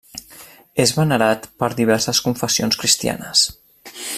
És venerat per diverses confessions cristianes.